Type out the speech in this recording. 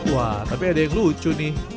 wah tapi ada yang lucu nih